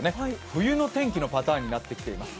冬の天気のパターンになってきています。